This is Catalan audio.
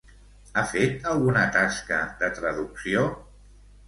Ha fet alguna tasca de traducció?